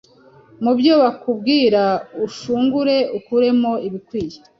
mu byo bakubwira ushungure ukuremo ibikwiye